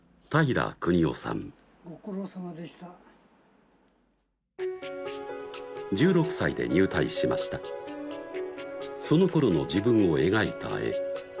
ご苦労さまでした１６歳で入隊しましたその頃の自分を描いた絵